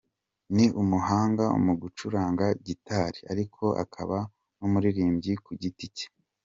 Ni umuhanga mu gucuranga gitari ariko akaba n’umuririmbyi ku giti cye.